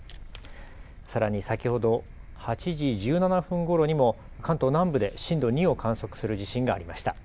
さらに先ほど８時１７分ごろにも関東南部で震度２を観測する地震がありました。